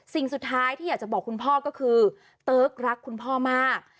สิ่งสุดท้ายที่อยากจะบอกคุณพ่อก็คือเติ๊กรักคุณพ่อมาก